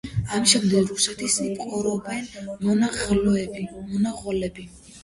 ამის შემდგომ რუსეთს იპყრობენ მონღოლები.